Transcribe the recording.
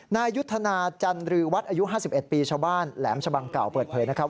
นายยุทธนาจันรือวัดอายุ๕๑ปีชาวบ้านแหลมชะบังเก่าเปิดเผยนะครับ